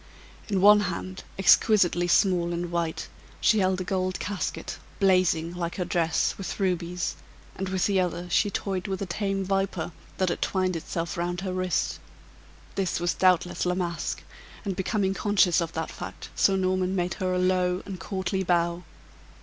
In one hand, exquisitely small and white, she held a gold casket, blazing (like her dress) with rubies, and with the other she toyed with a tame viper, that had twined itself round her wrist. This was doubtless La Masque, and becoming conscious of that fact Sir Norman made her a low and courtly bow.